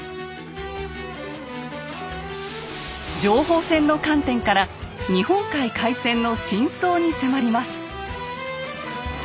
情報戦の観点から日本海海戦の真相に迫ります。